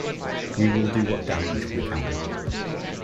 We will do what damage we can.